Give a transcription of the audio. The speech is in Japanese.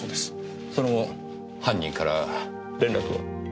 その後犯人から連絡は？